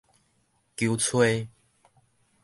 求揣